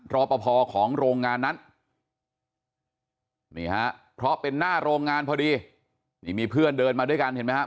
รอปภของโรงงานนั้นเพราะเป็นหน้าโรงงานพอดีมีเพื่อนเดินมาด้วยกันเห็นมั้ยครับ